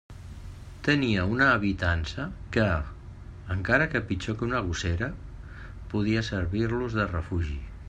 Tenia una habitança que, encara que pitjor que una gossera, podia servir-los de refugi.